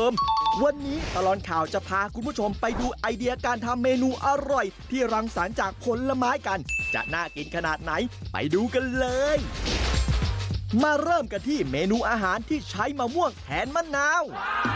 เริ่มกันที่เมนูอาหารที่ใช้มะม่วงแทนมะนาว